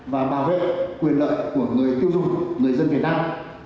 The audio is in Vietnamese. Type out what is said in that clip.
và bảo vệ quyền lợi của người tiêu dùng người dân việt nam